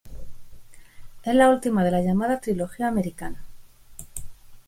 Es la última de la llamada "Trilogía americana".